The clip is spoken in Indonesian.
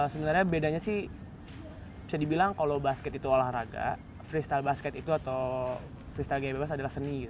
sebenarnya bedanya sih bisa dibilang kalau basket itu olahraga freestyle basket itu atau freestyle gaya bebas adalah seni